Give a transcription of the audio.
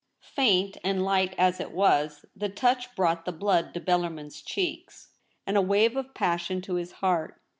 Faint and light as it was, the touch brought the blood to Bel larmin's cheeks and a wave of passion to his heart.